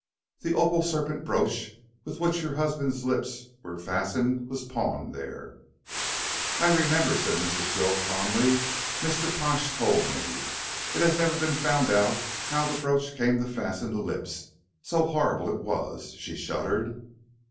"The opal serpent brooch with which your husband's lips were fastened was pawned there." "I remember," said Mrs. Krill, calmly. "Mr. Pash told me. It has never been found out how the brooch came to fasten the lips so horrible it was," she shuddered.